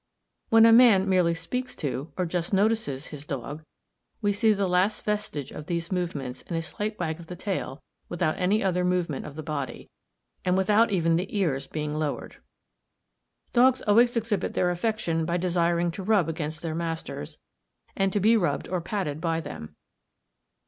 When a man merely speaks to, or just notices, his dog, we see the last vestige of these movements in a slight wag of the tail, without any other movement of the body, and without even the ears being lowered. Dogs also exhibit their affection by desiring to rub against their masters, and to be rubbed or patted by them.